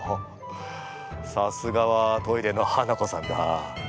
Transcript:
さすがはトイレのハナコさんだ。